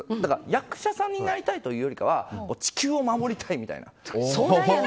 役者さんになりたいというかは地球を守りたい！みたいな。